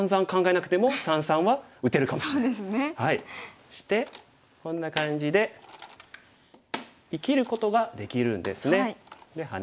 そしてこんな感じで生きることができるんですね。